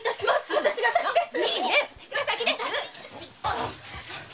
私が先です‼